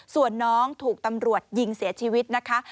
ส่วนน้องถูกตำรวจยิงเสียชีวิตนะคะ